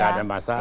nggak ada masalah